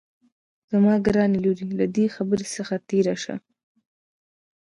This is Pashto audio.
زما ګرانې لورې له دې خبرې څخه تېره شه